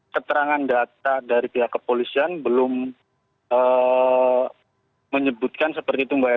keterangan data dari pihak kepolisian belum menyebutkan seperti itu mbak ya